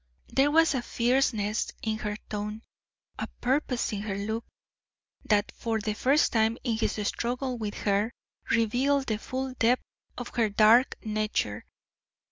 There was a fierceness in her tone, a purpose in her look, that for the first time in his struggle with her revealed the full depth of her dark nature.